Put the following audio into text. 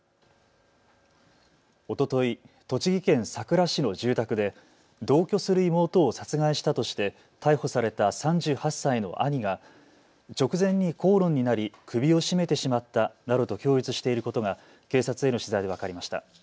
おととい、栃木県さくら市の住宅で同居する妹を殺害したとして逮捕された３８歳の兄が直前に口論になり首を絞めてしまったなどと供述していることが警察への取材で分かりました。